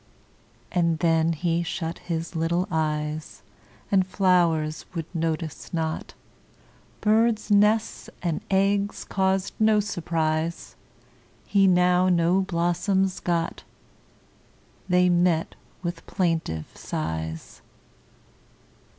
And then he shut his little eyes, And flowers would notice not; Birds' nests and eggs caused no surprise, He now no blossoms got; They met with plaintive sighs.